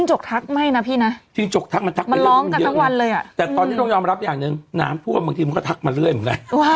ช่วงน้ามทั่วมายังไงงูมันก็ขึ้น